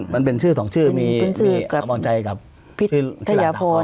มันเป็นชื่อสองชื่อมีมรชัยกับพิทยาพร